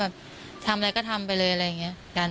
แบบทำอะไรก็ทำไปเลยอะไรอย่างเงี้ยกัน